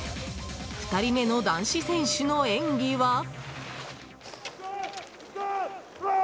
２人目の男子選手の演技は。